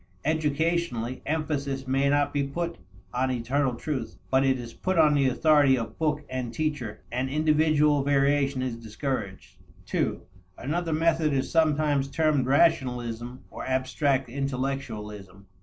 Educationally, emphasis may not be put on eternal truth, but it is put on the authority of book and teacher, and individual variation is discouraged. (ii) Another method is sometimes termed rationalism or abstract intellectualism.